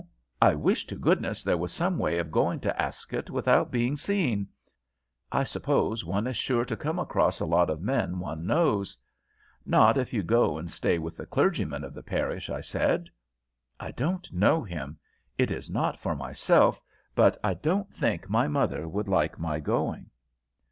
"I wish to goodness there was some way of going to Ascot without being seen. I suppose one is sure to come across a lot of men one knows." "Not if you go and stay with the clergyman of the parish," I said. "I don't know him. It is not for myself, but I don't think my mother would like my going."